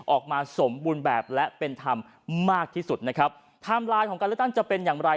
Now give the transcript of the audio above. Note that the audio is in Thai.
ออกมาสมบูรณ์แบบและเป็นธรรมมากที่สุดนะครับไทม์ไลน์ของการเลือกตั้งจะเป็นอย่างไร